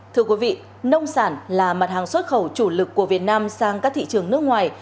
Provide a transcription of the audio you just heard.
thưa quý vị nông sản là mặt hàng xuất khẩu chủ lực của việt nam sang các thị trường nước ngoài